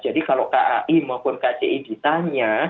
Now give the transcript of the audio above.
jadi kalau kai maupun kci ditanya